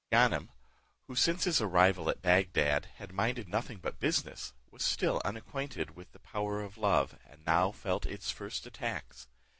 Ganem, who, since his arrival at Bagdad, had minded nothing but his business, was still unacquainted with the power of love, and now felt its first attacks.